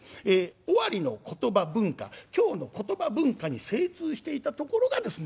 尾張の言葉文化京の言葉文化に精通していたところがですね